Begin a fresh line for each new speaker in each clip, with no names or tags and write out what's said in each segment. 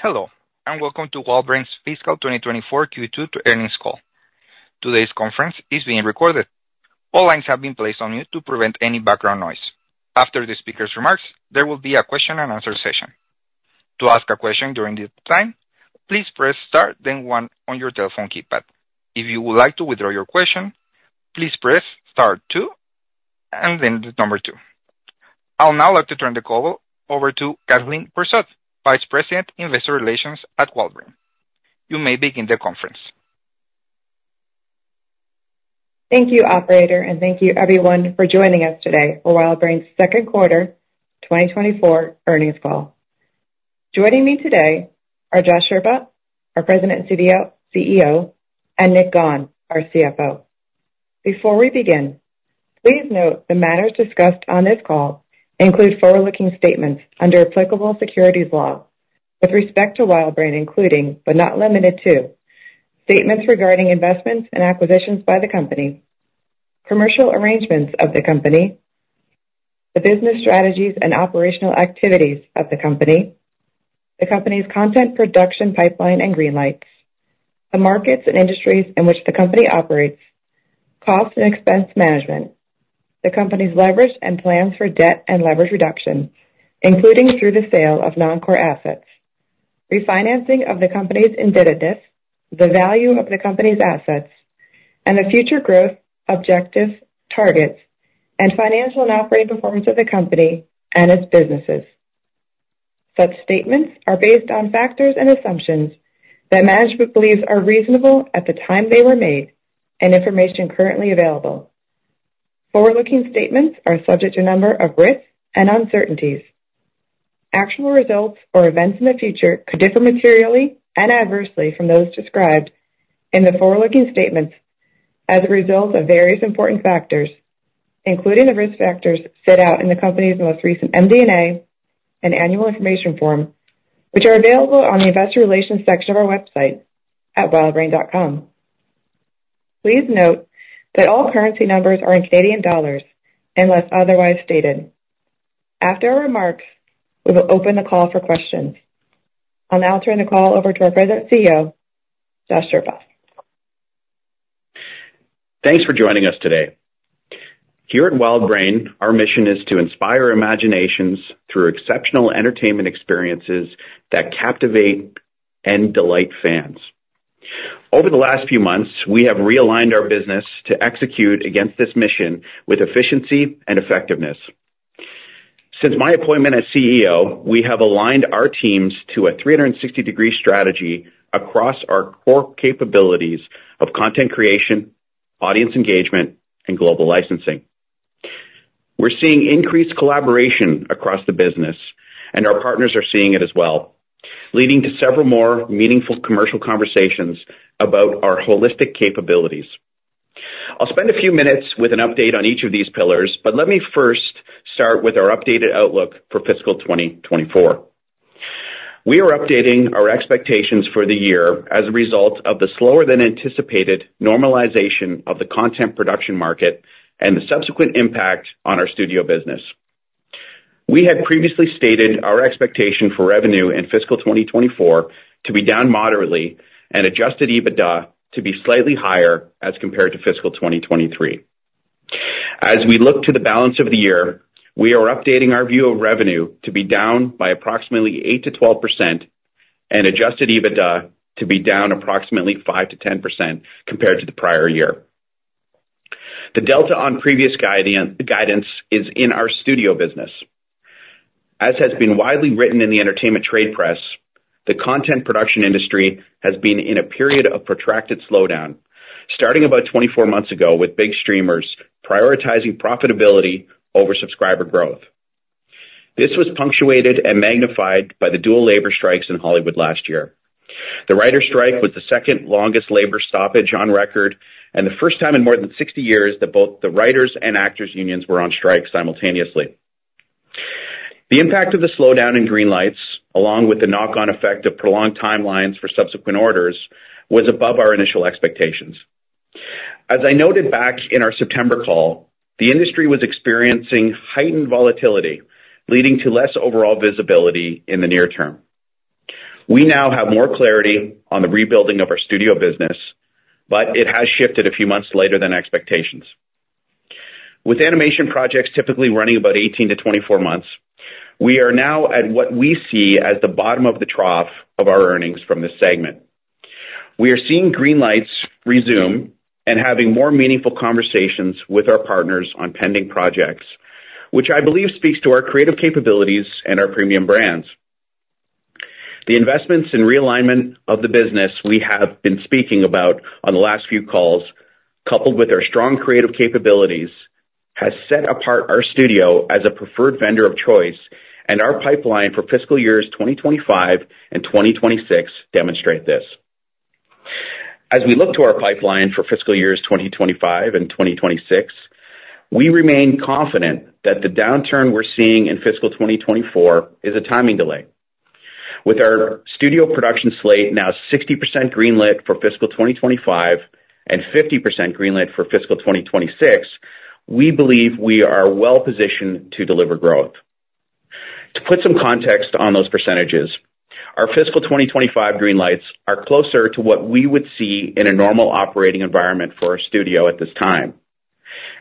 Hello, and welcome to WildBrain's Fiscal 2024 Q2 earnings call. Today's conference is being recorded. All lines have been placed on mute to prevent any background noise. After the speaker's remarks, there will be a question-and-answer session. To ask a question during the time, please press star, then one on your telephone keypad. If you would like to withdraw your question, please press star two and then the number two. I'll now like to turn the call over to Kathleen Persaud, Vice President, Investor Relations at WildBrain. You may begin the conference.
Thank you, Operator, and thank you, everyone, for joining us today for WildBrain's second quarter 2024 earnings call. Joining me today are Josh Scherba, our President and CEO, and Nick Gawne, our CFO. Before we begin, please note the matters discussed on this call include forward-looking statements under applicable securities law with respect to WildBrain, including, but not limited to, statements regarding investments and acquisitions by the company, commercial arrangements of the company, the business strategies and operational activities of the company, the company's content production pipeline and greenlights, the markets and industries in which the company operates, cost and expense management, the company's leverage and plans for debt and leverage reduction, including through the sale of non-core assets, refinancing of the company's indebtedness, the value of the company's assets, and the future growth objectives, targets, and financial and operating performance of the company and its businesses. Such statements are based on factors and assumptions that management believes are reasonable at the time they were made and information currently available. Forward-looking statements are subject to a number of risks and uncertainties. Actual results or events in the future could differ materially and adversely from those described in the forward-looking statements as a result of various important factors, including the risk factors set out in the company's most recent MD&A and annual information form, which are available on the investor relations section of our website at wildbrain.com. Please note that all currency numbers are in Canadian dollars unless otherwise stated. After our remarks, we will open the call for questions. I'll now turn the call over to our President CEO, Josh Scherba.
Thanks for joining us today. Here at WildBrain, our mission is to inspire imaginations through exceptional entertainment experiences that captivate and delight fans. Over the last few months, we have realigned our business to execute against this mission with efficiency and effectiveness. Since my appointment as CEO, we have aligned our teams to a 360-degree strategy across our core capabilities of content creation, audience engagement, and global licensing. We're seeing increased collaboration across the business, and our partners are seeing it as well, leading to several more meaningful commercial conversations about our holistic capabilities. I'll spend a few minutes with an update on each of these pillars, but let me first start with our updated outlook for fiscal 2024. We are updating our expectations for the year as a result of the slower-than-anticipated normalization of the content production market and the subsequent impact on our studio business. We had previously stated our expectation for revenue in fiscal 2024 to be down moderately and Adjusted EBITDA to be slightly higher as compared to fiscal 2023. As we look to the balance of the year, we are updating our view of revenue to be down by approximately 8%-12% and Adjusted EBITDA to be down approximately 5%-10% compared to the prior year. The Delta on previous guidance is in our studio business. As has been widely written in the Entertainment Trade Press. The content production industry has been in a period of protracted slowdown, starting about 24 months ago with big streamers prioritizing profitability over subscriber growth. This was punctuated and magnified by the dual labor strikes in Hollywood last year. The writers' strike was the second-longest labor stoppage on record and the first time in more than 60 years that both the writers' and actors' unions were on strike simultaneously. The impact of the slowdown and greenlights, along with the knock-on effect of prolonged timelines for subsequent orders, was above our initial expectations. As I noted back in our September call, the industry was experiencing heightened volatility, leading to less overall visibility in the near term. We now have more clarity on the rebuilding of our studio business, but it has shifted a few months later than expectations. With animation projects typically running about 18-24 months, we are now at what we see as the bottom of the trough of our earnings from this segment. We are seeing greenlights resume and having more meaningful conversations with our partners on pending projects, which I believe speaks to our creative capabilities and our premium brands. The investments in realignment of the business we have been speaking about on the last few calls, coupled with our strong creative capabilities, have set apart our studio as a preferred vendor of choice, and our pipeline for fiscal years 2025 and 2026 demonstrate this. As we look to our pipeline for fiscal years 2025 and 2026, we remain confident that the downturn we're seeing in fiscal 2024 is a timing delay. With our studio production slate now 60% greenlit for fiscal 2025 and 50% greenlit for fiscal 2026, we believe we are well-positioned to deliver growth. To put some context on those percentages: our fiscal 2025 greenlights are closer to what we would see in a normal operating environment for our studio at this time,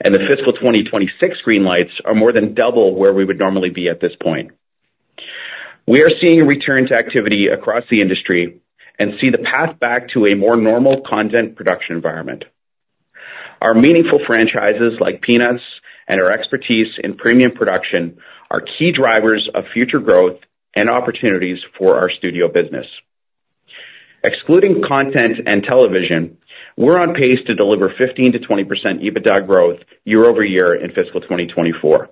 and the fiscal 2026 greenlights are more than double where we would normally be at this point. We are seeing return to activity across the industry and see the path back to a more normal content production environment. Our meaningful franchises like Peanuts and our expertise in premium production are key drivers of future growth and opportunities for our studio business. Excluding content and television, we're on pace to deliver 15%-20% EBITDA growth year-over-year in fiscal 2024.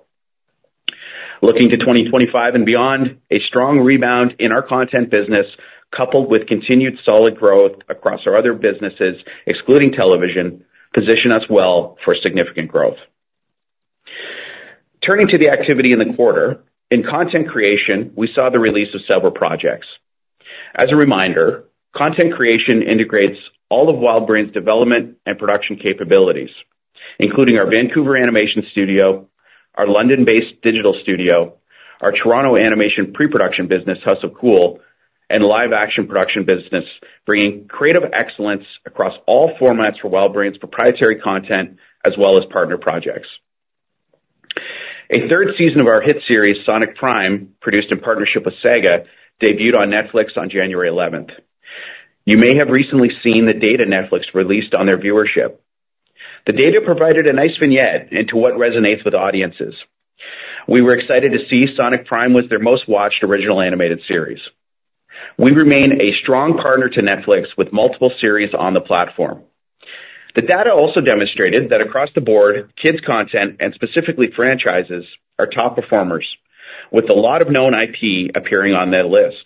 Looking to 2025 and beyond, a strong rebound in our content business, coupled with continued solid growth across our other businesses, excluding television, position us well for significant growth. Turning to the activity in the quarter, in content creation, we saw the release of several projects. As a reminder, content creation integrates all of WildBrain's development and production capabilities, including our Vancouver Animation Studio, our London-based digital studio, our Toronto animation pre-production business, House of Cool, and live-action production business, bringing creative excellence across all formats for WildBrain's proprietary content as well as partner projects. A third season of our hit series, Sonic Prime, produced in partnership with SEGA, debuted on Netflix on January 11th. You may have recently seen the data Netflix released on their viewership. The data provided a nice vignette into what resonates with audiences. We were excited to see Sonic Prime was their most-watched original animated series. We remain a strong partner to Netflix with multiple series on the platform. The data also demonstrated that across the board, kids' content, and specifically franchises, are top performers, with a lot of known IP appearing on that list.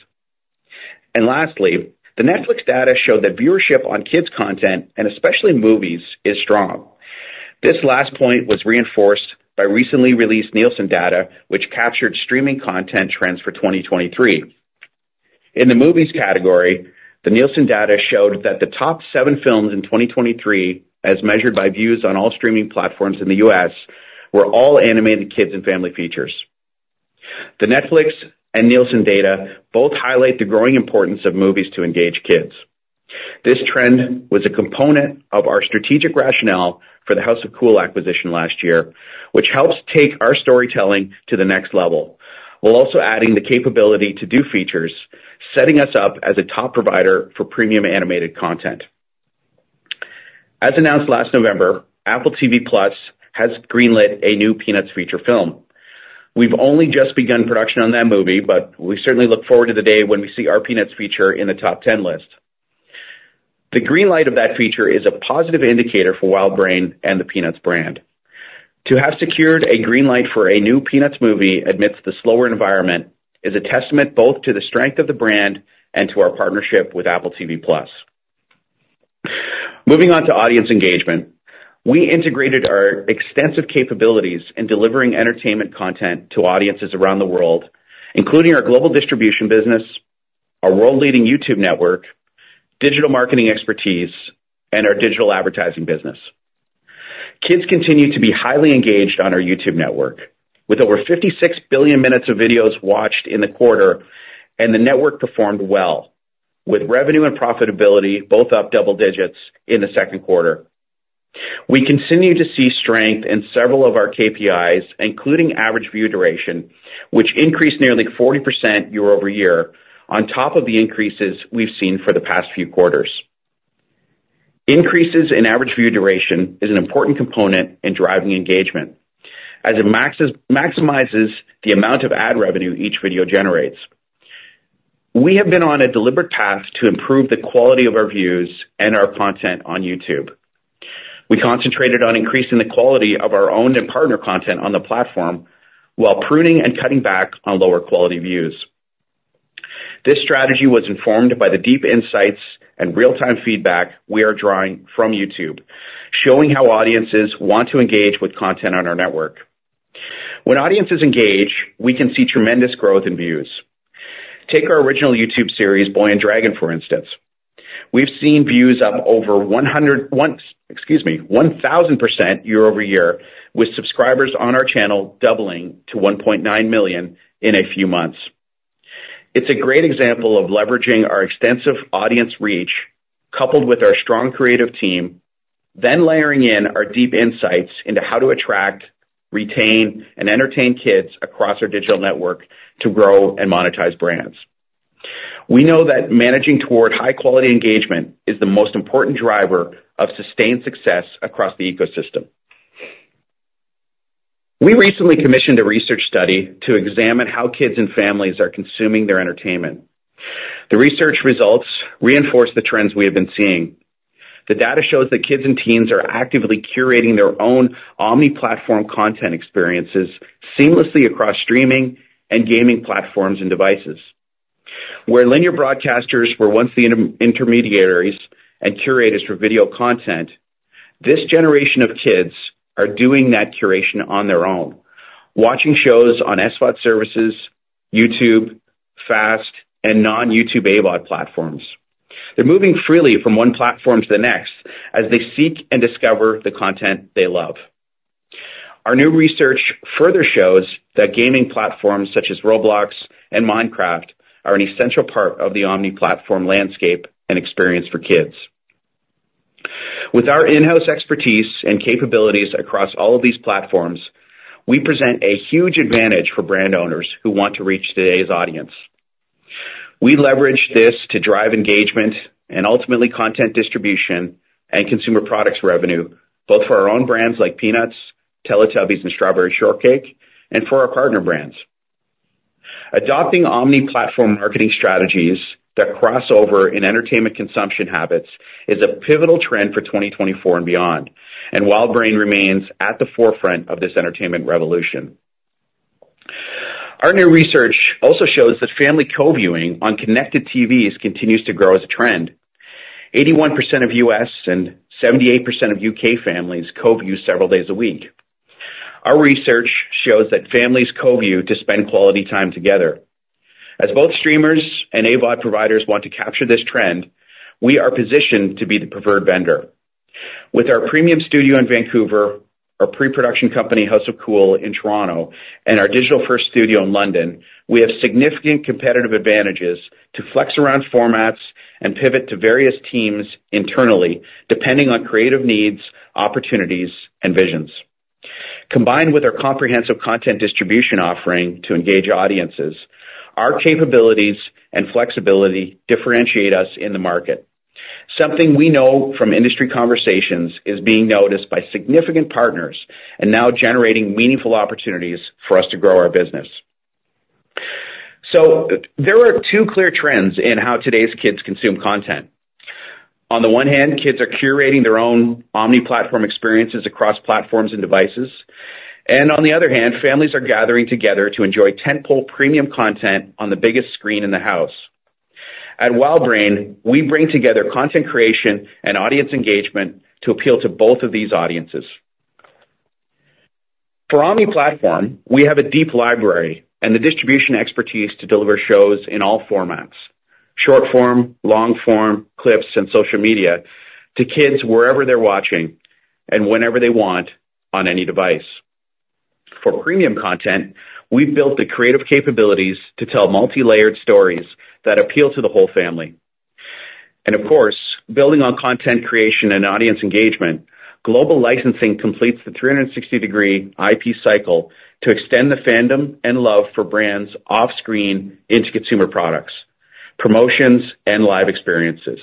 And lastly, the Netflix data showed that viewership on kids' content, and especially movies, is strong. This last point was reinforced by recently released Nielsen data, which captured streaming content trends for 2023. In the movies category, the Nielsen data showed that the top seven films in 2023, as measured by views on all streaming platforms in the U.S., were all animated kids and family features. The Netflix and Nielsen data both highlight the growing importance of movies to engage kids. This trend was a component of our strategic rationale for the House of Cool acquisition last year, which helps take our storytelling to the next level, while also adding the capability to do features, setting us up as a top provider for premium animated content. As announced last November, Apple TV+ has greenlit a new Peanuts feature film. We've only just begun production on that movie, but we certainly look forward to the day when we see our Peanuts feature in the top 10 list. The greenlight of that feature is a positive indicator for WildBrain and the Peanuts brand. To have secured a greenlight for a new Peanuts movie amidst the slower environment is a testament both to the strength of the brand and to our partnership with Apple TV+. Moving on to audience engagement, we integrated our extensive capabilities in delivering entertainment content to audiences around the world, including our global distribution business, our world-leading YouTube network, digital marketing expertise, and our digital advertising business. Kids continue to be highly engaged on our YouTube network, with over 56 billion minutes of videos watched in the quarter, and the network performed well, with revenue and profitability both up double digits in the second quarter. We continue to see strength in several of our KPIs, including average view duration, which increased nearly 40% year-over-year on top of the increases we've seen for the past few quarters. Increases in average view duration is an important component in driving engagement, as it maximizes the amount of ad revenue each video generates. We have been on a deliberate path to improve the quality of our views and our content on YouTube. We concentrated on increasing the quality of our own and partner content on the platform while pruning and cutting back on lower-quality views. This strategy was informed by the deep insights and real-time feedback we are drawing from YouTube, showing how audiences want to engage with content on our network. When audiences engage, we can see tremendous growth in views. Take our original YouTube series, Boy and Dragon, for instance. We've seen views up over 100% excuse me, 1,000% year-over-year, with subscribers on our channel doubling to 1.9 million in a few months. It's a great example of leveraging our extensive audience reach, coupled with our strong creative team, then layering in our deep insights into how to attract, retain, and entertain kids across our digital network to grow and monetize brands. We know that managing toward high-quality engagement is the most important driver of sustained success across the ecosystem. We recently commissioned a research study to examine how kids and families are consuming their entertainment. The research results reinforce the trends we have been seeing. The data shows that kids and teens are actively curating their own omni-platform content experiences seamlessly across streaming and gaming platforms and devices. Where linear broadcasters were once the intermediaries and curators for video content, this generation of kids are doing that curation on their own, watching shows on SVOD services, YouTube, FAST, and non-YouTube AVOD platforms. They're moving freely from one platform to the next as they seek and discover the content they love. Our new research further shows that gaming platforms such as Roblox and Minecraft are an essential part of the omni-platform landscape and experience for kids. With our in-house expertise and capabilities across all of these platforms, we present a huge advantage for brand owners who want to reach today's audience. We leverage this to drive engagement and ultimately content distribution and consumer products revenue, both for our own brands like Peanuts, Teletubbies, and Strawberry Shortcake, and for our partner brands. Adopting omni-platform marketing strategies that cross over in entertainment consumption habits is a pivotal trend for 2024 and beyond, and WildBrain remains at the forefront of this entertainment revolution. Our new research also shows that family co-viewing on connected TVs continues to grow as a trend. 81% of U.S. and 78% of U.K. families co-view several days a week. Our research shows that families co-view to spend quality time together. As both streamers and AVOD providers want to capture this trend, we are positioned to be the preferred vendor. With our premium studio in Vancouver, our pre-production company, House of Cool, in Toronto, and our digital first studio in London, we have significant competitive advantages to flex around formats and pivot to various teams internally, depending on creative needs, opportunities, and visions. Combined with our comprehensive content distribution offering to engage audiences, our capabilities and flexibility differentiate us in the market, something we know from industry conversations is being noticed by significant partners and now generating meaningful opportunities for us to grow our business. There are two clear trends in how today's kids consume content. On the one hand, kids are curating their own omni-platform experiences across platforms and devices, and on the other hand, families are gathering together to enjoy tentpole premium content on the biggest screen in the house. At WildBrain, we bring together content creation and audience engagement to appeal to both of these audiences. For Omni-platform, we have a deep library and the distribution expertise to deliver shows in all formats: short form, long form, clips, and social media to kids wherever they're watching and whenever they want on any device. For premium content, we've built the creative capabilities to tell multi-layered stories that appeal to the whole family. Of course, building on content creation and audience engagement, global licensing completes the 360-degree IP cycle to extend the fandom and love for brands off-screen into consumer products, promotions, and live experiences.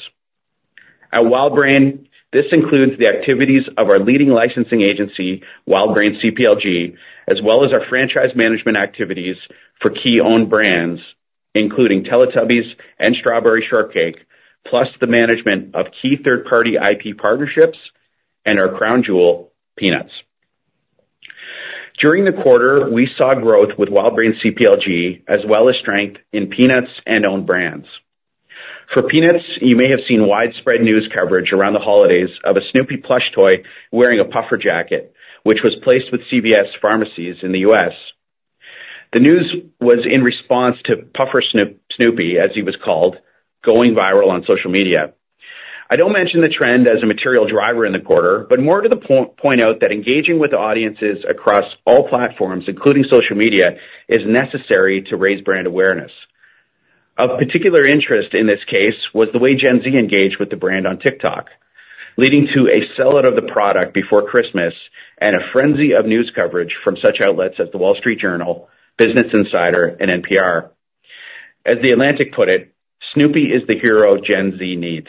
At WildBrain, this includes the activities of our leading licensing agency, WildBrain CPLG, as well as our franchise management activities for key owned brands, including Teletubbies and Strawberry Shortcake, plus the management of key third-party IP partnerships and our crown jewel, Peanuts. During the quarter, we saw growth with WildBrain CPLG as well as strength in Peanuts and owned brands. For Peanuts, you may have seen widespread news coverage around the holidays of a Snoopy plush toy wearing a puffer jacket, which was placed with CVS pharmacies in the U.S. The news was in response to Puffer Snoopy, as he was called, going viral on social media. I don't mention the trend as a material driver in the quarter, but more to the point out that engaging with audiences across all platforms, including social media, is necessary to raise brand awareness. Of particular interest in this case was the way Gen Z engaged with the brand on TikTok, leading to a sell-out of the product before Christmas and a frenzy of news coverage from such outlets as The Wall Street Journal, Business Insider, and NPR. As The Atlantic put it, "Snoopy is the hero Gen Z needs."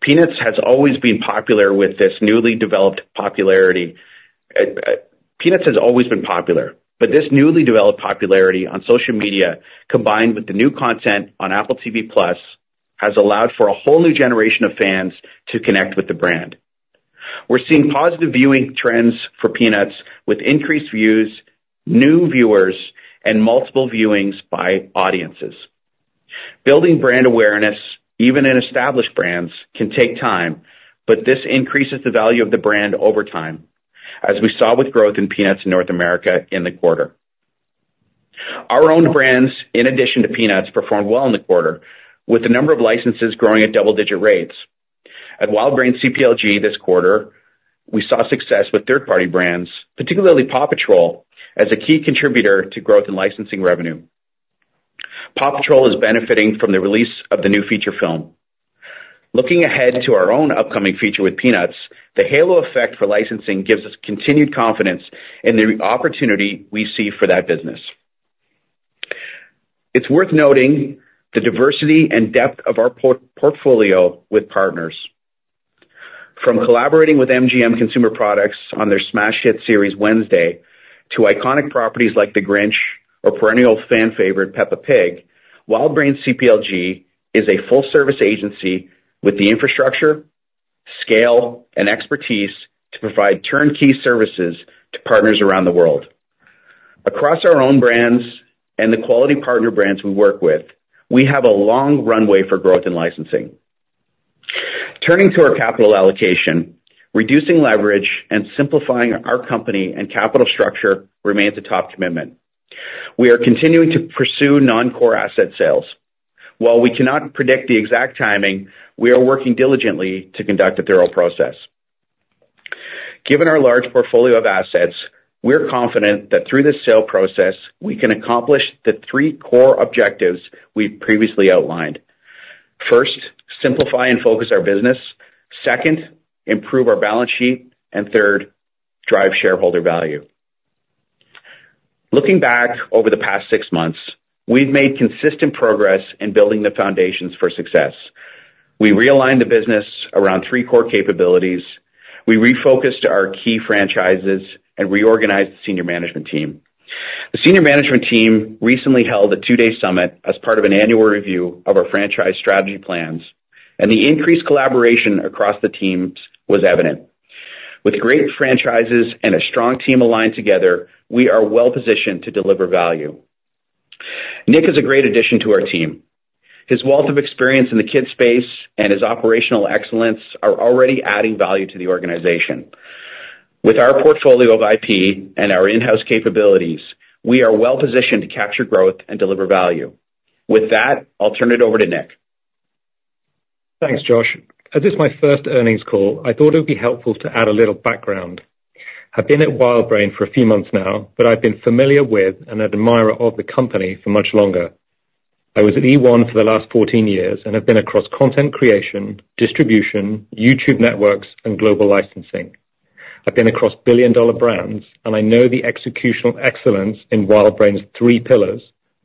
Peanuts has always been popular with this newly developed popularity Peanuts has always been popular, but this newly developed popularity on social media, combined with the new content on Apple TV+, has allowed for a whole new generation of fans to connect with the brand. We're seeing positive viewing trends for Peanuts with increased views, new viewers, and multiple viewings by audiences. Building brand awareness, even in established brands, can take time, but this increases the value of the brand over time, as we saw with growth in Peanuts in North America in the quarter. Our owned brands, in addition to Peanuts, performed well in the quarter, with the number of licenses growing at double-digit rates. At WildBrain CPLG this quarter, we saw success with third-party brands, particularly PAW Patrol, as a key contributor to growth in licensing revenue. PAW Patrol is benefiting from the release of the new feature film. Looking ahead to our own upcoming feature with Peanuts, the halo effect for licensing gives us continued confidence in the opportunity we see for that business. It's worth noting the diversity and depth of our portfolio with partners. From collaborating with MGM Consumer Products on their smash hit series Wednesday to iconic properties like The Grinch or perennial fan-favorite Peppa Pig, WildBrain CPLG is a full-service agency with the infrastructure, scale, and expertise to provide turnkey services to partners around the world. Across our own brands and the quality partner brands we work with, we have a long runway for growth in licensing. Turning to our capital allocation, reducing leverage, and simplifying our company and capital structure remains a top commitment. We are continuing to pursue non-core asset sales. While we cannot predict the exact timing, we are working diligently to conduct a thorough process. Given our large portfolio of assets, we're confident that through this sale process, we can accomplish the three core objectives we've previously outlined. First, simplify and focus our business. Second, improve our balance sheet. And third, drive shareholder value. Looking back over the past six months, we've made consistent progress in building the foundations for success. We realigned the business around three core capabilities. We refocused our key franchises and reorganized the senior management team. The senior management team recently held a two-day summit as part of an annual review of our franchise strategy plans, and the increased collaboration across the teams was evident. With great franchises and a strong team aligned together, we are well positioned to deliver value. Nick is a great addition to our team. His wealth of experience in the kids' space and his operational excellence are already adding value to the organization. With our portfolio of IP and our in-house capabilities, we are well positioned to capture growth and deliver value. With that, I'll turn it over to Nick.
Thanks, Josh. As this is my first earnings call, I thought it would be helpful to add a little background. I've been at WildBrain for a few months now, but I've been familiar with and an admirer of the company for much longer. I was at eOne for the last 14 years and have been across content creation, distribution, YouTube networks, and global licensing. I've been across billion-dollar brands, and I know the executional excellence in WildBrain's three pillars: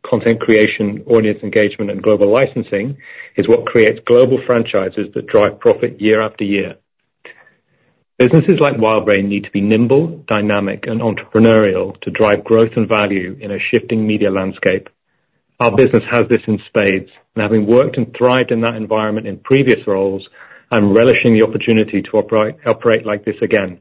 content creation, audience engagement, and global licensing is what creates global franchises that drive profit year after year. Businesses like WildBrain need to be nimble, dynamic, and entrepreneurial to drive growth and value in a shifting media landscape. Our business has this in spades, and having worked and thrived in that environment in previous roles, I'm relishing the opportunity to operate like this again,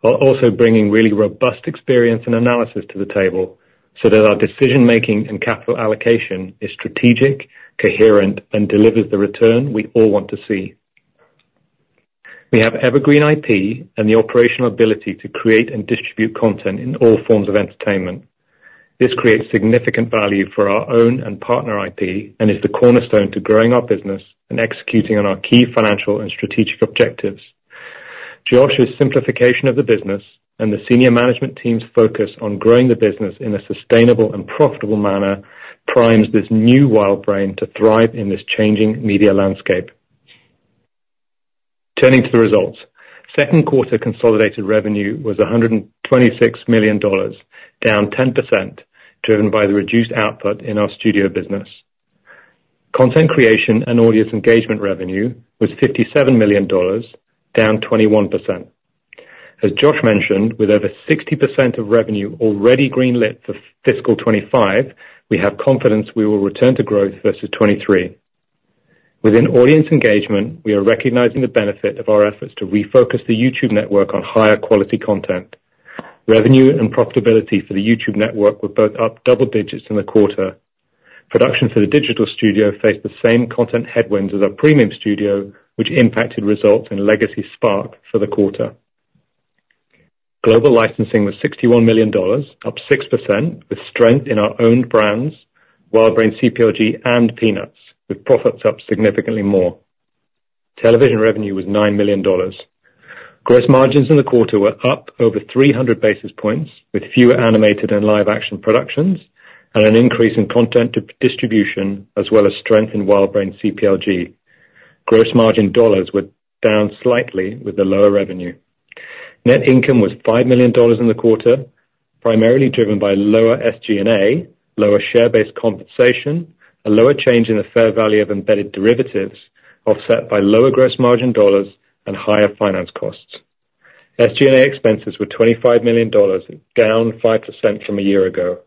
while also bringing really robust experience and analysis to the table so that our decision-making and capital allocation is strategic, coherent, and delivers the return we all want to see. We have evergreen IP and the operational ability to create and distribute content in all forms of entertainment. This creates significant value for our own and partner IP and is the Cornerstone to growing our business and executing on our key financial and strategic objectives. Josh's simplification of the business and the senior management team's focus on growing the business in a sustainable and profitable manner primes this new WildBrain to thrive in this changing media landscape. Turning to the results, second quarter consolidated revenue was CAD 126 million, down 10%, driven by the reduced output in our studio business. Content creation and audience engagement revenue was 57 million dollars, down 21%. As Josh mentioned, with over 60% of revenue already greenlit for fiscal 2025, we have confidence we will return to growth versus 2023. Within audience engagement, we are recognizing the benefit of our efforts to refocus the YouTube network on higher-quality content. Revenue and profitability for the YouTube network were both up double digits in the quarter. Production for the digital studio faced the same content headwinds as our premium studio, which impacted results in legacy Spark for the quarter. Global licensing was 61 million dollars, up 6%, with strength in our owned brands, WildBrain CPLG, and Peanuts, with profits up significantly more. Television revenue was 9 million dollars. Gross margins in the quarter were up over 300 basis points with fewer animated and live-action productions and an increase in content distribution as well as strength in WildBrain CPLG. Gross margin dollars were down slightly with the lower revenue. Net income was 5 million dollars in the quarter, primarily driven by lower SG&A, lower share-based compensation, a lower change in the fair value of embedded derivatives offset by lower gross margin dollars and higher finance costs. SG&A expenses were 25 million dollars, down 5% from a year ago.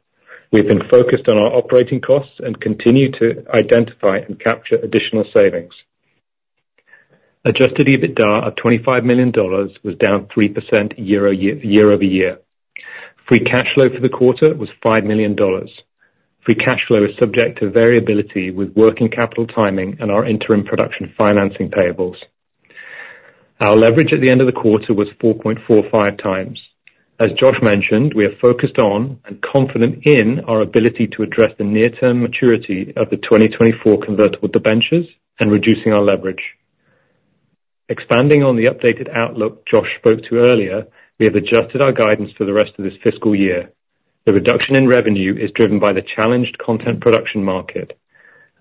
We've been focused on our operating costs and continue to identify and capture additional savings. Adjusted EBITDA of 25 million dollars was down 3% year-over-year. Free cash flow for the quarter was 5 million dollars. Free cash flow is subject to variability with working capital timing and our interim production financing payables. Our leverage at the end of the quarter was 4.45x. As Josh mentioned, we are focused on and confident in our ability to address the near-term maturity of the 2024 convertible debentures and reducing our leverage. Expanding on the updated outlook Josh spoke to earlier, we have adjusted our guidance for the rest of this fiscal year. The reduction in revenue is driven by the challenged content production market.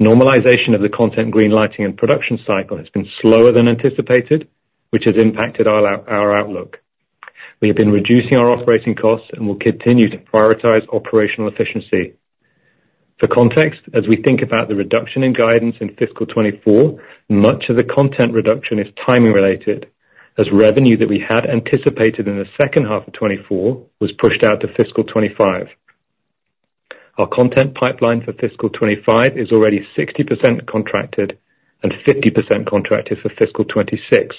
Normalization of the content greenlighting and production cycle has been slower than anticipated, which has impacted our outlook. We have been reducing our operating costs and will continue to prioritize operational efficiency. For context, as we think about the reduction in guidance in fiscal 2024, much of the content reduction is timing-related, as revenue that we had anticipated in the second half of 2024 was pushed out to fiscal 2025. Our content pipeline for fiscal 2025 is already 60% contracted and 50% contracted for fiscal 2026,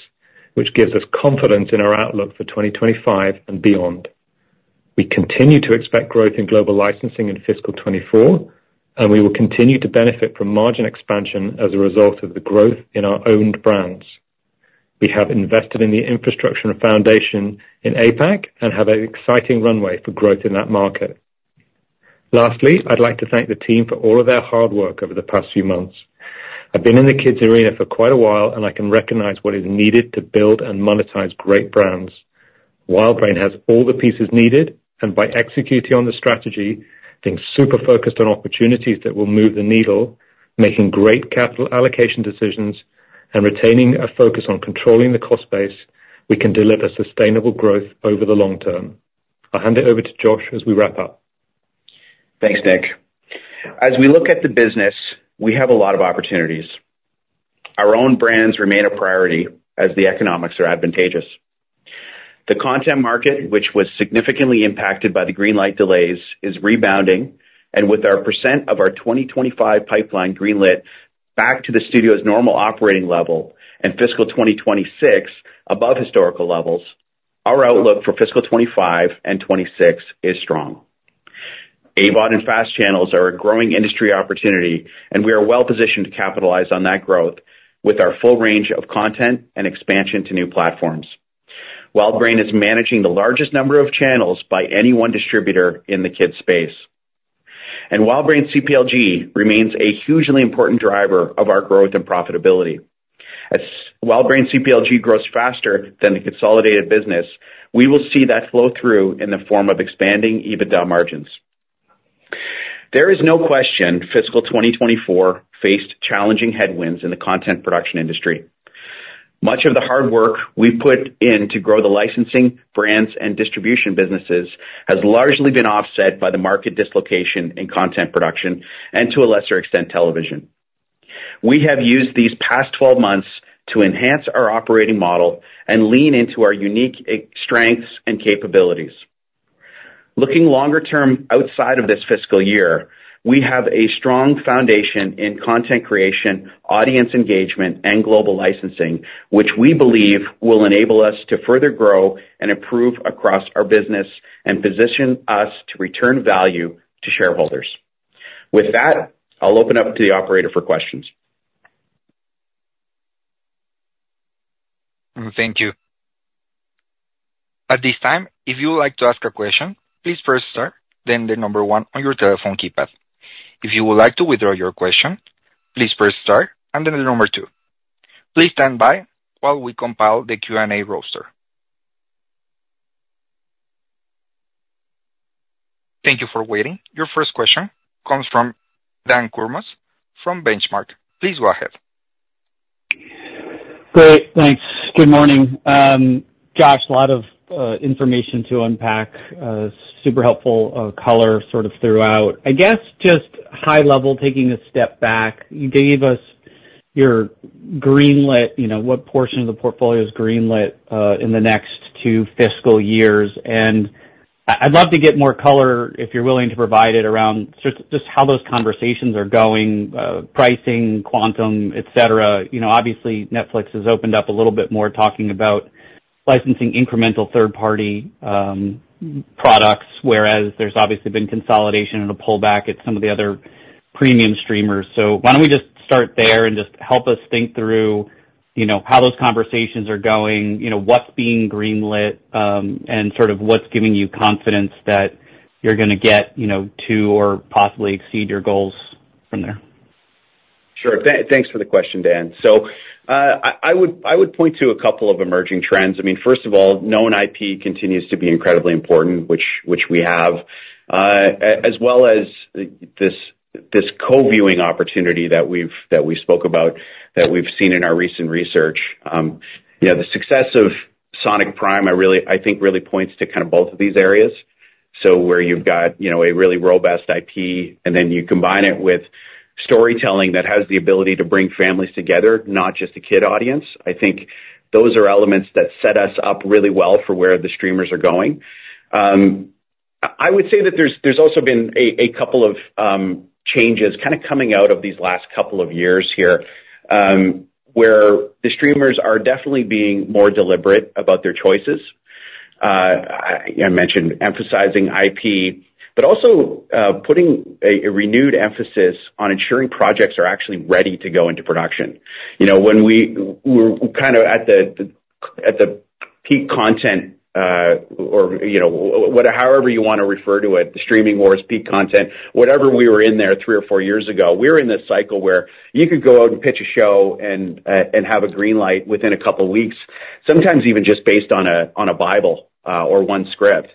which gives us confidence in our outlook for 2025 and beyond. We continue to expect growth in global licensing in fiscal 2024, and we will continue to benefit from margin expansion as a result of the growth in our owned brands. We have invested in the infrastructure and foundation in APAC and have an exciting runway for growth in that market. Lastly, I'd like to thank the team for all of their hard work over the past few months. I've been in the kids' arena for quite a while, and I can recognize what is needed to build and monetize great brands. WildBrain has all the pieces needed, and by executing on the strategy, being super focused on opportunities that will move the needle, making great capital allocation decisions, and retaining a focus on controlling the cost base, we can deliver sustainable growth over the long term. I'll hand it over to Josh as we wrap up.
Thanks, Nick. As we look at the business, we have a lot of opportunities. Our owned brands remain a priority as the economics are advantageous. The content market, which was significantly impacted by the greenlight delays, is rebounding, and with our percent of our 2025 pipeline greenlit back to the studio's normal operating level and fiscal 2026 above historical levels, our outlook for fiscal 2025 and 2026 is strong. AVOD and FAST Channels are a growing industry opportunity, and we are well positioned to capitalize on that growth with our full range of content and expansion to new platforms. WildBrain is managing the largest number of channels by any one distributor in the kids' space. WildBrain CPLG remains a hugely important driver of our growth and profitability. As WildBrain CPLG grows faster than the consolidated business, we will see that flow through in the form of expanding EBITDA margins. There is no question fiscal 2024 faced challenging headwinds in the content production industry. Much of the hard work we've put in to grow the licensing, brands, and distribution businesses has largely been offset by the market dislocation in content production and, to a lesser extent, television. We have used these past 12 months to enhance our operating model and lean into our unique strengths and capabilities. Looking longer-term outside of this fiscal year, we have a strong foundation in content creation, audience engagement, and global licensing, which we believe will enable us to further grow and improve across our business and position us to return value to shareholders. With that, I'll open up to the operator for questions.
Thank you. At this time, if you would like to ask a question, please press star, then the number one on your telephone keypad. If you would like to withdraw your question, please press star, and then the number two. Please stand by while we compile the Q&A roster. Thank you for waiting. Your first question comes from Dan Kurnos from Benchmark. Please go ahead.
Great. Thanks. Good morning. Josh, a lot of information to unpack. Super helpful color sort of throughout. I guess just high-level, taking a step back, you gave us your greenlit what portion of the portfolio is greenlit in the next two fiscal years. And I'd love to get more color, if you're willing to provide it, around just how those conversations are going: pricing, quantum, etc. Obviously, Netflix has opened up a little bit more talking about licensing incremental third-party products, whereas there's obviously been consolidation and a pullback at some of the other premium streamers. So why don't we just start there and just help us think through how those conversations are going, what's being greenlit, and sort of what's giving you confidence that you're going to get to or possibly exceed your goals from there?
Sure. Thanks for the question, Dan. So I would point to a couple of emerging trends. I mean, first of all, known IP continues to be incredibly important, which we have, as well as this co-viewing opportunity that we spoke about that we've seen in our recent research. The success of Sonic Prime, I think, really points to kind of both of these areas. So where you've got a really robust IP, and then you combine it with storytelling that has the ability to bring families together, not just a kid audience. I think those are elements that set us up really well for where the streamers are going. I would say that there's also been a couple of changes kind of coming out of these last couple of years here where the streamers are definitely being more deliberate about their choices. I mentioned emphasizing IP, but also putting a renewed emphasis on ensuring projects are actually ready to go into production. When we were kind of at the peak content or however you want to refer to it, the streaming war's peak content, whatever we were in there three or four years ago, we were in this cycle where you could go out and pitch a show and have a greenlight within a couple of weeks, sometimes even just based on a Bible or one script.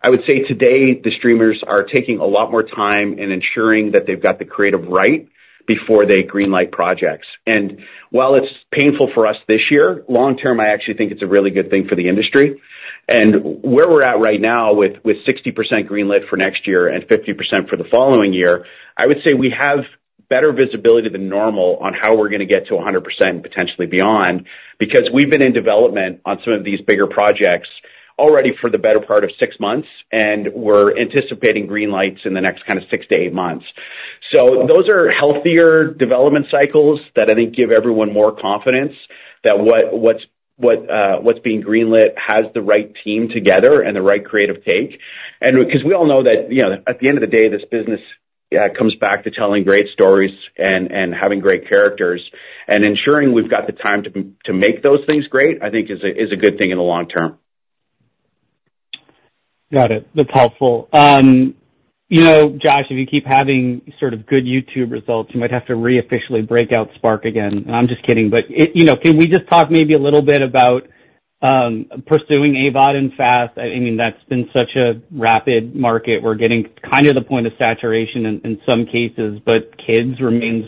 I would say today, the streamers are taking a lot more time in ensuring that they've got the creative right before they greenlight projects. While it's painful for us this year, long term, I actually think it's a really good thing for the industry. Where we're at right now with 60% greenlit for next year and 50% for the following year, I would say we have better visibility than normal on how we're going to get to 100% and potentially beyond because we've been in development on some of these bigger projects already for the better part of six months, and we're anticipating greenlights in the next kind of six to eight months. Those are healthier development cycles that I think give everyone more confidence that what's being greenlit has the right team together and the right creative take. Because we all know that at the end of the day, this business comes back to telling great stories and having great characters. Ensuring we've got the time to make those things great, I think, is a good thing in the long term.
Got it. That's helpful. Josh, if you keep having sort of good YouTube results, you might have to re-officially break out Spark again. I'm just kidding. Can we just talk maybe a little bit about pursuing AVOD and FAST? I mean, that's been such a rapid market. We're getting kind of the point of saturation in some cases, but kids remains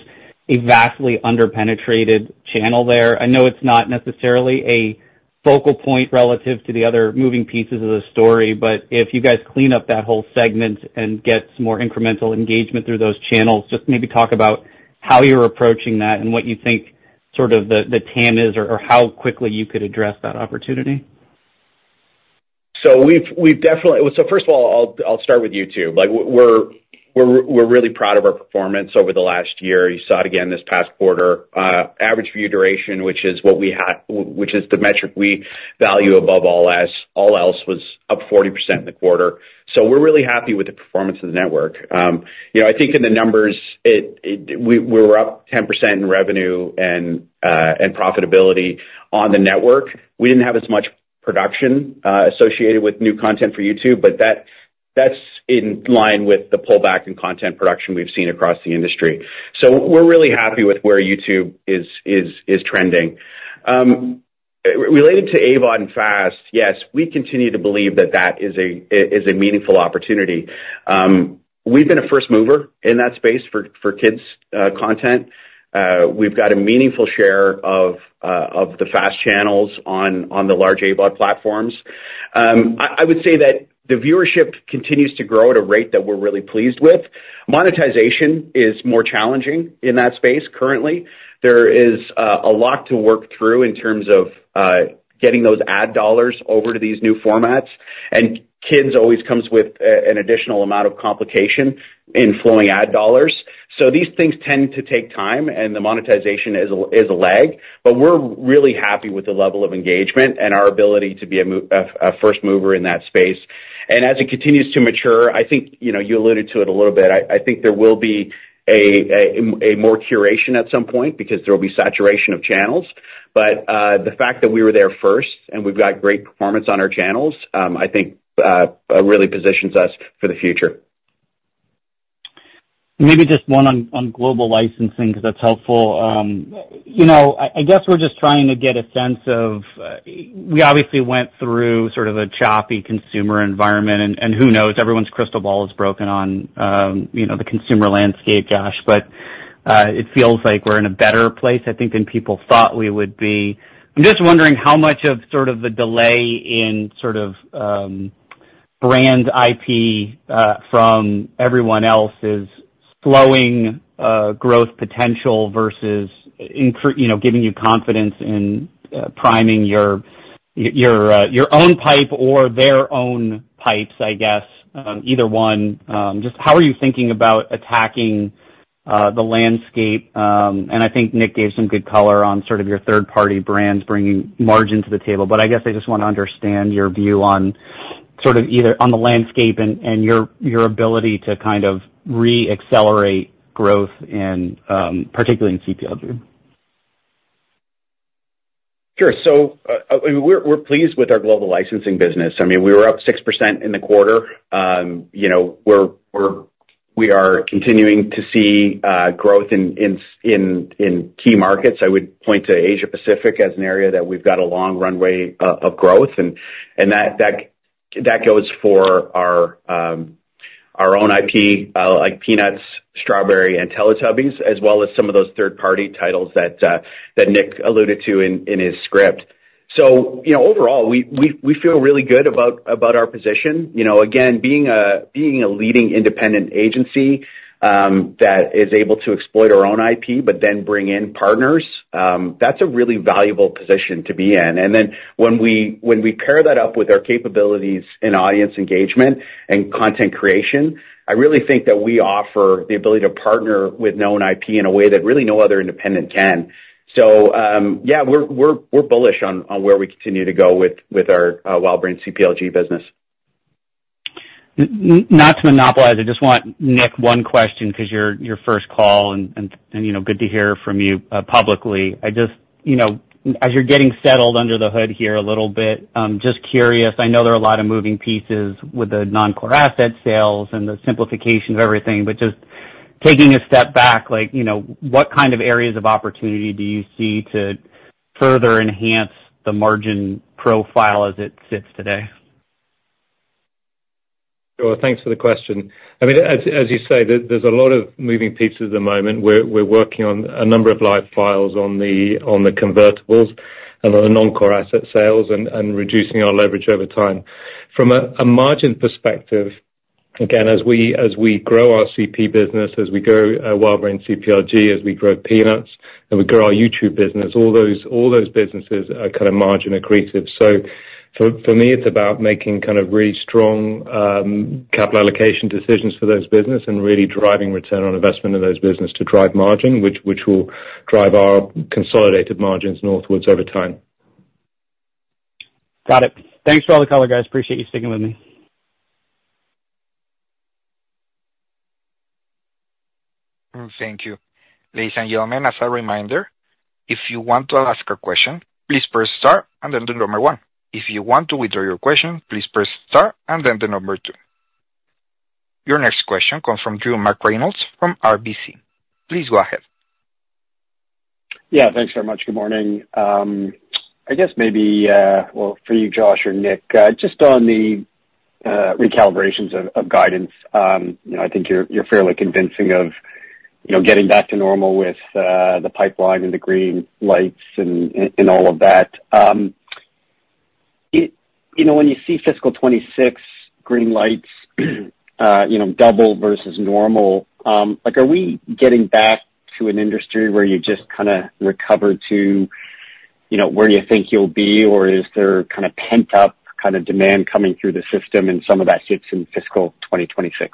a vastly underpenetrated channel there. I know it's not necessarily a focal point relative to the other moving pieces of the story, but if you guys clean up that whole segment and get some more incremental engagement through those channels, just maybe talk about how you're approaching that and what you think sort of the TAM is or how quickly you could address that opportunity.
So first of all, I'll start with YouTube. We're really proud of our performance over the last year. You saw it again this past quarter. Average view duration, which is what we had, which is the metric we value above all else, was up 40% in the quarter. So we're really happy with the performance of the network. I think in the numbers, we were up 10% in revenue and profitability on the network. We didn't have as much production associated with new content for YouTube, but that's in line with the pullback in content production we've seen across the industry. So we're really happy with where YouTube is trending. Related to AVOD and FAST, yes, we continue to believe that that is a meaningful opportunity. We've been a first mover in that space for kids' content. We've got a meaningful share of the FAST channels on the large AVOD platforms. I would say that the viewership continues to grow at a rate that we're really pleased with. Monetization is more challenging in that space currently. There is a lot to work through in terms of getting those ad dollars over to these new formats. And kids always comes with an additional amount of complication in flowing ad dollars. So these things tend to take time, and the monetization is a lag. But we're really happy with the level of engagement and our ability to be a first mover in that space. And as it continues to mature, I think you alluded to it a little bit. I think there will be a more curation at some point because there will be saturation of channels. But the fact that we were there first and we've got great performance on our channels, I think, really positions us for the future.
Maybe just one on global licensing because that's helpful. I guess we're just trying to get a sense of, we obviously went through sort of a choppy consumer environment. Who knows? Everyone's crystal ball is broken on the consumer landscape, Josh. It feels like we're in a better place, I think, than people thought we would be. I'm just wondering how much of sort of the delay in sort of brand IP from everyone else is slowing growth potential versus giving you confidence in priming your own pipe or their own pipes, I guess, either one. Just how are you thinking about attacking the landscape? I think Nick gave some good color on sort of your third-party brands bringing margin to the table. I guess I just want to understand your view on sort of either on the landscape and your ability to kind of re-accelerate growth, particularly in CPLG.
Sure. So we're pleased with our global licensing business. I mean, we were up 6% in the quarter. We are continuing to see growth in key markets. I would point to Asia-Pacific as an area that we've got a long runway of growth. And that goes for our own IP like Peanuts, Strawberry, and Teletubbies, as well as some of those third-party titles that Nick alluded to in his script. So overall, we feel really good about our position. Again, being a leading independent agency that is able to exploit our own IP but then bring in partners, that's a really valuable position to be in. And then when we pair that up with our capabilities in audience engagement and content creation, I really think that we offer the ability to partner with known IP in a way that really no other independent can. So yeah, we're bullish on where we continue to go with our WildBrain CPLG business.
Not to monopolize. I just want, Nick, one question because you're your first call and good to hear from you publicly. As you're getting settled under the hood here a little bit, just curious, I know there are a lot of moving pieces with the non-core asset sales and the simplification of everything. But just taking a step back, what kind of areas of opportunity do you see to further enhance the margin profile as it sits today?
Sure. Thanks for the question. I mean, as you say, there's a lot of moving pieces at the moment. We're working on a number of live files on the convertibles and on the non-core asset sales and reducing our leverage over time. From a margin perspective, again, as we grow our CP business, as we grow WildBrain CPLG, as we grow Peanuts, and we grow our YouTube business, all those businesses are kind of margin-accretive. So for me, it's about making kind of really strong capital allocation decisions for those businesses and really driving return on investment in those businesses to drive margin, which will drive our consolidated margins northwards over time.
Got it. Thanks for all the color, guys. Appreciate you sticking with me.
Thank you. Ladies and, as a reminder, if you want to ask a question, please press star and then the number one. If you want to withdraw your question, please press star and then the number two. Your next question comes from Drew McReynolds from RBC. Please go ahead.
Yeah. Thanks very much. Good morning. I guess maybe well, for you, Josh, or Nick, just on the recalibrations of guidance, I think you're fairly convincing of getting back to normal with the pipeline and the green lights and all of that. When you see fiscal 2026 green lights double versus normal, are we getting back to an industry where you just kind of recovered to where you think you'll be, or is there kind of pent-up kind of demand coming through the system, and some of that hits in fiscal 2026?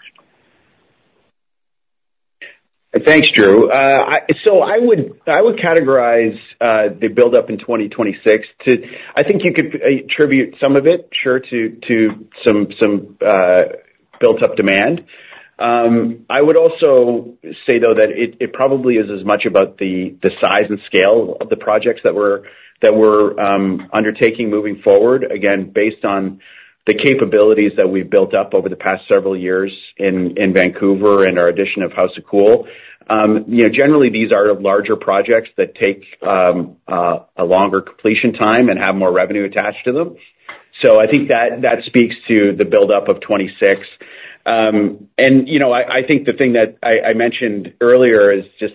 Thanks, Drew. So I would categorize the buildup in 2026 to I think you could attribute some of it, sure, to some built-up demand. I would also say, though, that it probably is as much about the size and scale of the projects that we're undertaking moving forward, again, based on the capabilities that we've built up over the past several years in Vancouver and our addition of House of Cool. Generally, these are larger projects that take a longer completion time and have more revenue attached to them. So I think that speaks to the buildup of 2026. And I think the thing that I mentioned earlier is just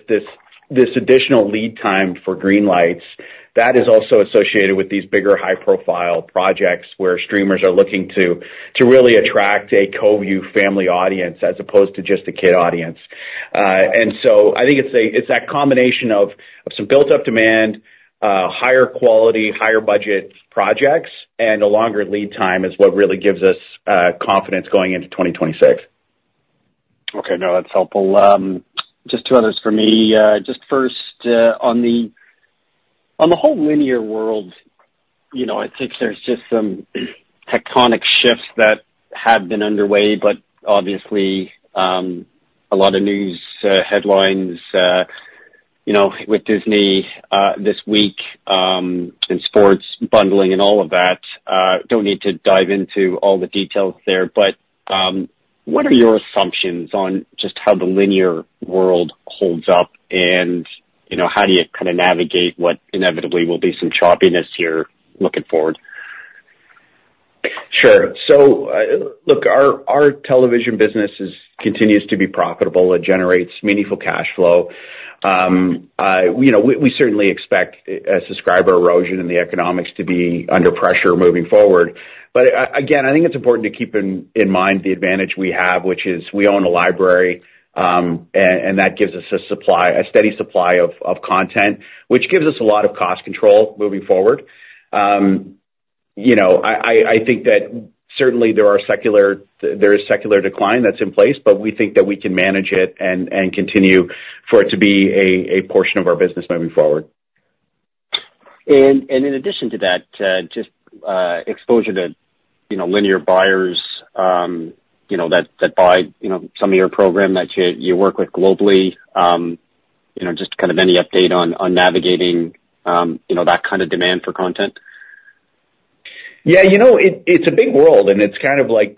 this additional lead time for green lights. That is also associated with these bigger, high-profile projects where streamers are looking to really attract a co-view family audience as opposed to just a kid audience. And so I think it's that combination of some built-up demand, higher quality, higher budget projects, and a longer lead time is what really gives us confidence going into 2026.
Okay. No, that's helpful. Just two others for me. Just first, on the whole linear world, I think there's just some tectonic shifts that have been underway. But obviously, a lot of news headlines with Disney this week and sports bundling and all of that. Don't need to dive into all the details there. But what are your assumptions on just how the linear world holds up, and how do you kind of navigate what inevitably will be some choppiness here looking forward?
Sure. Look, our television business continues to be profitable. It generates meaningful cash flow. We certainly expect subscriber erosion in the economics to be under pressure moving forward. But again, I think it's important to keep in mind the advantage we have, which is we own a library, and that gives us a steady supply of content, which gives us a lot of cost control moving forward. I think that certainly, there is secular decline that's in place, but we think that we can manage it and continue for it to be a portion of our business moving forward.
In addition to that, just exposure to linear buyers that buy some of your program that you work with globally, just kind of any update on navigating that kind of demand for content?
Yeah. It's a big world, and it's kind of like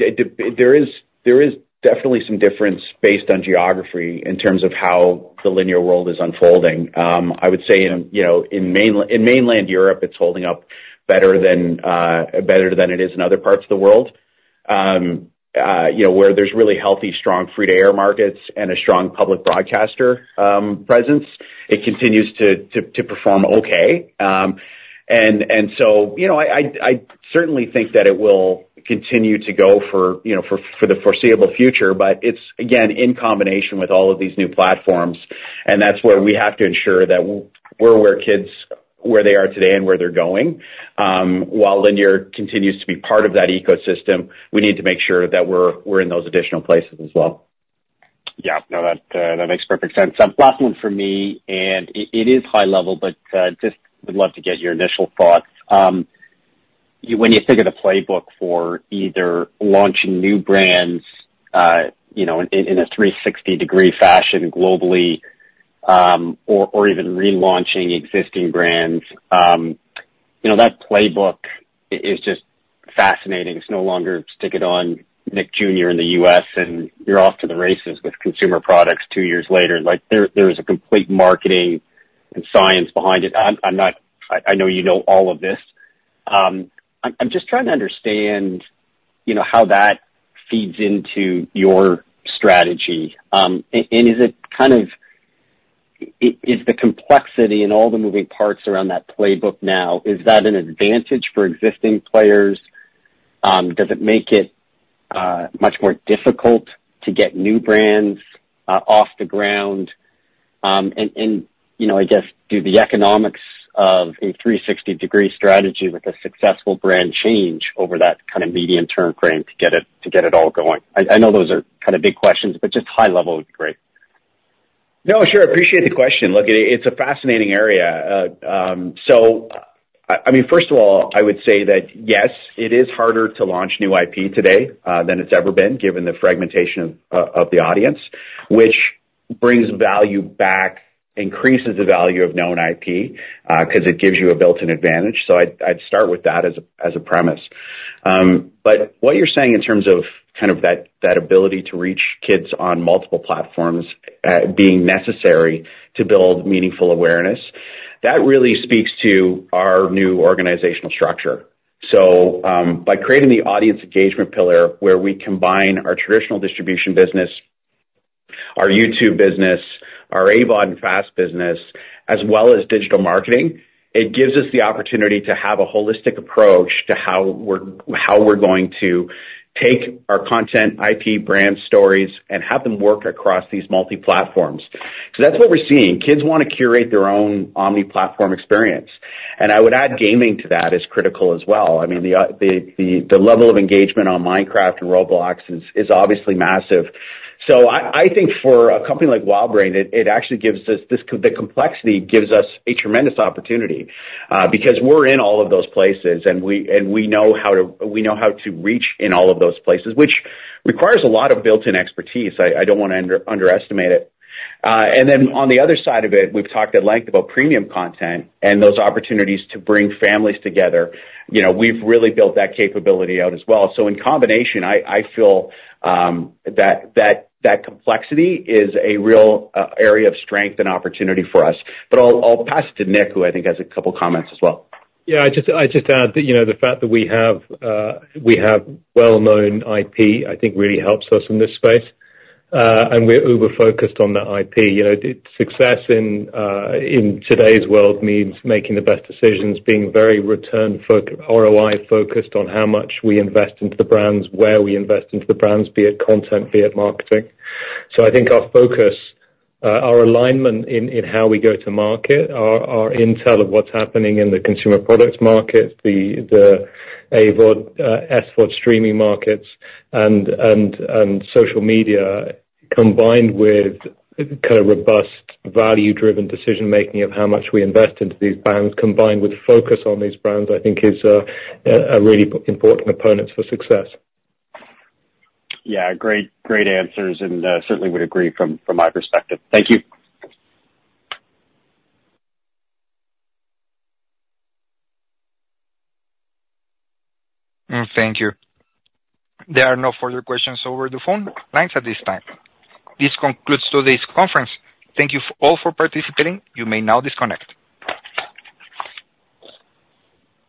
there is definitely some difference based on geography in terms of how the linear world is unfolding. I would say in mainland Europe, it's holding up better than it is in other parts of the world where there's really healthy, strong free-to-air markets and a strong public broadcaster presence. It continues to perform okay. And so I certainly think that it will continue to go for the foreseeable future. But it's, again, in combination with all of these new platforms. And that's where we have to ensure that we're where kids, where they are today, and where they're going. While linear continues to be part of that ecosystem, we need to make sure that we're in those additional places as well.
Yeah. No, that makes perfect sense. Last one for me, and it is high-level, but just would love to get your initial thoughts. When you think of the playbook for either launching new brands in a 360-degree fashion globally or even relaunching existing brands, that playbook is just fascinating. It's no longer stick it on Nick Jr. in the U.S., and you're off to the races with consumer products two years later. There is a complete marketing and science behind it. I know you know all of this. I'm just trying to understand how that feeds into your strategy. Is it kind of the complexity in all the moving parts around that playbook now, is that an advantage for existing players? Does it make it much more difficult to get new brands off the ground? I guess, do the economics of a 360-degree strategy with a successful brand change over that kind of medium-term frame to get it all going? I know those are kind of big questions, but just high-level would be great.
No, sure. Appreciate the question. Look, it's a fascinating area. So I mean, first of all, I would say that yes, it is harder to launch new IP today than it's ever been given the fragmentation of the audience, which brings value back, increases the value of known IP because it gives you a built-in advantage. So I'd start with that as a premise. But what you're saying in terms of kind of that ability to reach kids on multiple platforms being necessary to build meaningful awareness, that really speaks to our new organizational structure. So by creating the audience engagement pillar where we combine our traditional distribution business, our YouTube business, our AVOD and FAST business, as well as digital marketing, it gives us the opportunity to have a holistic approach to how we're going to take our content, IP, brand stories, and have them work across these multi-platforms. Because that's what we're seeing. Kids want to curate their own omni-platform experience. And I would add gaming to that is critical as well. I mean, the level of engagement on Minecraft and Roblox is obviously massive. So I think for a company like WildBrain, the complexity gives us a tremendous opportunity because we're in all of those places, and we know how to reach in all of those places, which requires a lot of built-in expertise. I don't want to underestimate it. And then on the other side of it, we've talked at length about premium content and those opportunities to bring families together. We've really built that capability out as well. So in combination, I feel that that complexity is a real area of strength and opportunity for us. I'll pass it to Nick, who I think has a couple of comments as well.
Yeah. I'd just add that the fact that we have well-known IP, I think, really helps us in this space. We're over-focused on that IP. Success in today's world means making the best decisions, being very ROI-focused on how much we invest into the brands, where we invest into the brands, be it content, be it marketing. I think our focus, our alignment in how we go to market, our intel of what's happening in the consumer products markets, the SVOD streaming markets, and social media combined with kind of robust, value-driven decision-making of how much we invest into these brands combined with focus on these brands, I think, is a really important component for success.
Yeah. Great answers and certainly would agree from my perspective. Thank you.
Thank you. There are no further questions over the phone lines at this time. This concludes today's conference. Thank you all for participating. You may now disconnect.